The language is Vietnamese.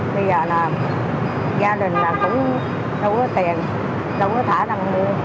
bây giờ là gia đình là cũng đâu có tiền đâu có thả năng mua